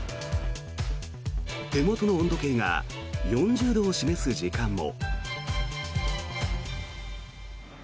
手元の温度計が４０度を示す時間も。